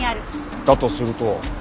だとすると。